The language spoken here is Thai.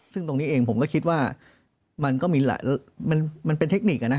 ซึ่งตรงนี้ผมก็คิดว่ามันเป็นเทคนิค